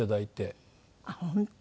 あっ本当？